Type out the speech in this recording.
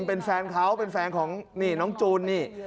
เป็นแฟนเขาเป็นแฟนของนี่น้องจูนนี่